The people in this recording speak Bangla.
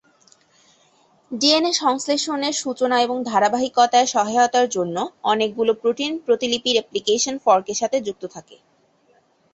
ডিএনএ সংশ্লেষণের সূচনা এবং ধারাবাহিকতায় সহায়তার জন্য অনেকগুলো প্রোটিন প্রতিলিপি রেপ্লিকেশন ফর্ক এর সাথে যুক্ত থাকে।